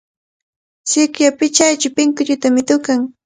Sikya pichaychaw pinkullutami tukan.